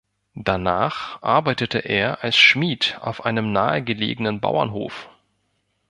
Danach arbeitete er als Schmied auf einem nahegelegenen Bauernhof.